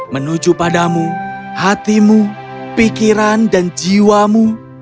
menuju padamu hatimu pikiran dan jiwamu